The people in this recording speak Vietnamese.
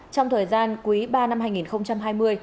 trong thời gian quý ba năm hai nghìn chín